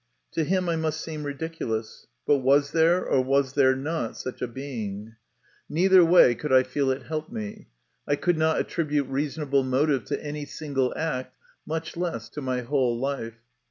"To him I must seem ridiculous. ... But was there, or was there not, such a being ?" Neither way 32 MY CONFESSION. could I feel it helped me. I could not attribute reasonable motive to any single act, much less to my whole life.